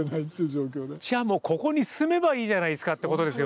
じゃあもうここに住めばいいじゃないですかってことですよね。